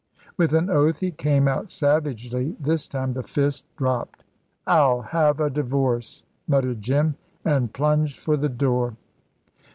With an oath it came out savagely this time the fist dropped. "I'll have a divorce," muttered Jim, and plunged for the door.